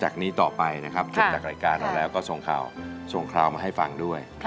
จากนี้ต่อไปนะครับจบจากรายการเราแล้วก็ส่งข่าวส่งคราวมาให้ฟังด้วย